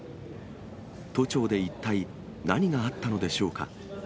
都庁で一体、何があったのでしょうか。